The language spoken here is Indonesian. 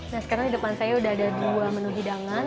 nah sekarang di depan saya sudah ada dua menu hidangan